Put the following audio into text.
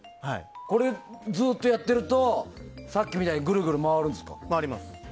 これをずっとやっているとさっきみたいにぐるぐる回るんですか？